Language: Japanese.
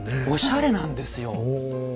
おしゃれなんですよ。